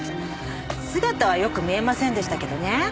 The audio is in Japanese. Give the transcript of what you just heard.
姿はよく見えませんでしたけどね。